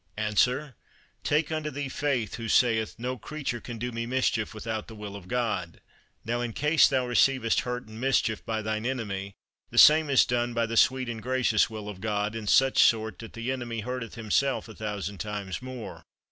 Answer—Take unto thee faith, who saith; "No creature can do me mischief without the will of God." Now, in case thou receivest hurt and mischief by thine enemy, the same is done by the sweet and gracious will of God, in such sort that the enemy hurteth himself a thousand times more.